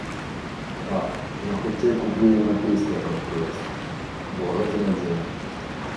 Так, я хутчэй куплю еўрапейскае прадпрыемства, бо гэта надзейна.